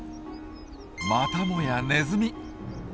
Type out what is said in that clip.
またもやネズミ。